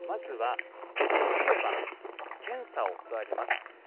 できれば検査を、とあります。